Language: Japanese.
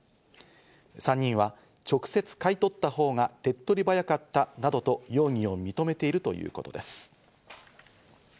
３人は、直接買いとったほうが手っ取り早かったなどと容疑を認めているということです。